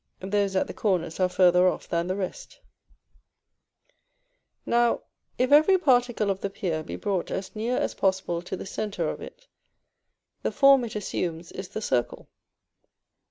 Those at the corners are farther off than the rest. Now, if every particle of the pier be brought as near as possible to the centre of it, the form it assumes is the circle.